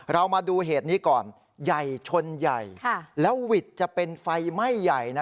เรามาดูเหตุนี้ก่อนไยชนไยแล้ววิทย์จะเป็นไฟไหม้ไย